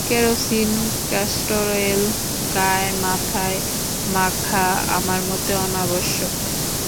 Kerosene, castor oil, গায় মাথায় মাখা আমার মতে অনাবশ্যক।